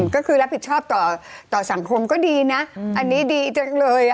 ก็คือรับผิดชอบต่อสังคมก็ดีนะอันนี้ดีจังเลย